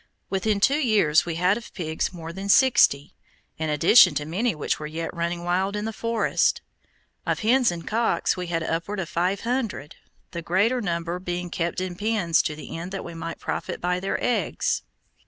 Within two years we had of pigs more than sixty, in addition to many which were yet running wild in the forest. Of hens and cocks we had upward of five hundred, the greater number being kept in pens to the end that we might profit by their eggs.